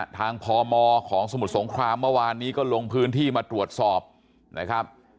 พมของสมุทรสงครามเมื่อวานนี้ก็ลงพื้นที่มาตรวจสอบนะครับ